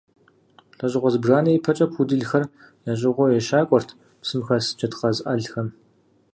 Лӏэщӏыгъуэ зыбжанэ ипэкӏэ пуделхэр ящӏыгъуу ещакӏуэрт псым хэс джэдкъаз ӏэлхэм.